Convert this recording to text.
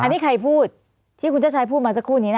อันนี้ใครพูดที่คุณชาติชายพูดมาสักครู่นี้นะ